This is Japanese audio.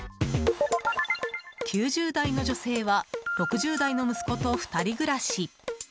９０代の女性は６０代の息子と２人暮らし。